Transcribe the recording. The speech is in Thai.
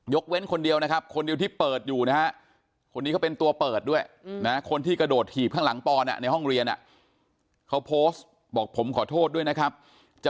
ยกเว้นคนเดียวนะครับคนเดียวที่เปิดอยู่นะฮะ